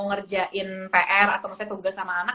ngerjain pr atau misalnya tugas sama anak